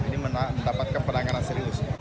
ini mendapatkan penanganan serius